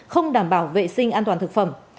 không đảm bảo vệ sinh an toàn thực phẩm